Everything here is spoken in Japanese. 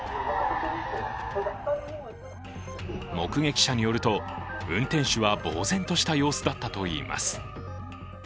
目撃者によると運転手はぼう然とした様子だったといいます。